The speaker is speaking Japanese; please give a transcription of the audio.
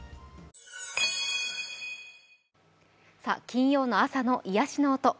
金曜の朝の癒やしの音。